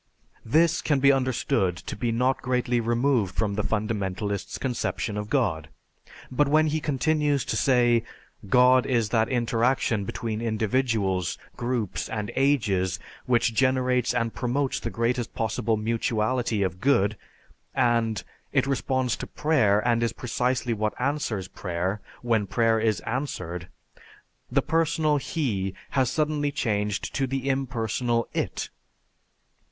This can be understood to be not greatly removed from the fundamentalists' conception of God, but when he continues to say, "God is that interaction between individuals, groups, and ages which generates and promotes the greatest possible mutuality of good," and "it responds to prayer and is precisely what answers prayer, when prayer is answered," the personal "He" has suddenly changed to the unpersonal "It."